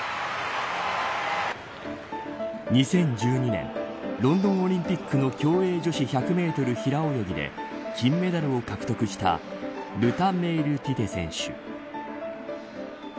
２０１２年ロンドンオリンピックの競泳女子１００メートル平泳ぎで金メダルを獲得したルタ・メイルティテ選手。